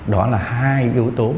đó là hai yếu tố